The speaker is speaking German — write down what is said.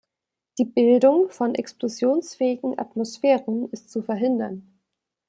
Die Bildung von explosionsfähigen Atmosphären ist zu verhindern.